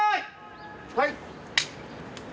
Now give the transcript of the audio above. はい。